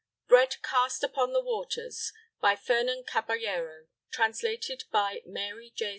BREAD CAST UPON THE WATERS By Fernan Caballero Translated by Mary J.